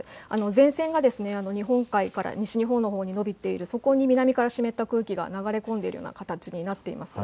前線が日本海から西日本のほうに延びている、そこに湿った空気が流れ込む形になっています。